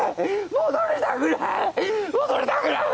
戻りたくない！